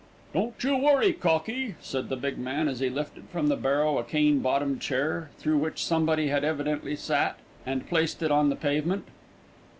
"Don't you worry, cocky," said the big man as he lifted from the barrow a cane bottomed chair, through which somebody had evidently sat, and placed it on the pavement.